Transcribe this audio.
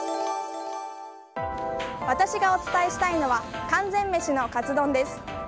私がお伝えしたいのは完全メシのカツ丼です。